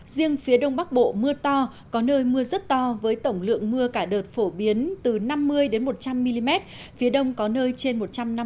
riêng phía đông bắc bộ mưa to có nơi mưa rất to với tổng lượng mưa cả đợt phổ biến từ năm mươi một trăm linh mm phía đông có nơi trên một trăm năm mươi